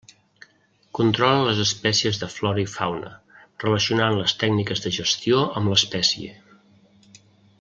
Controla les espècies de flora i fauna, relacionant les tècniques de gestió amb l'espècie.